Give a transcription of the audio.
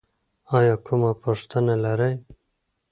ایا کومه پوښتنه لرئ؟